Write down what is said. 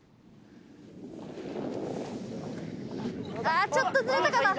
あぁちょっとずれたかな。